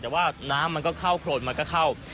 แต่ว่าน้ำมันก็เข้าโครนมันก็เข้า